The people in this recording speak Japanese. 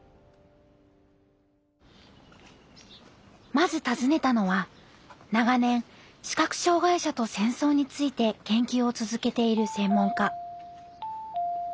まず訪ねたのは長年視覚障害者と戦争について研究を続けている専門家。